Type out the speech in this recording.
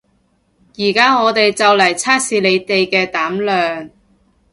而家我哋就嚟測試你哋嘅膽量